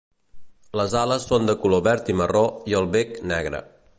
Les ales són de color verd i marró, i el bec negre.